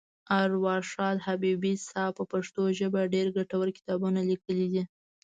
اروا ښاد حبیبي صاحب په پښتو ژبه ډېر ګټور کتابونه لیکلي دي.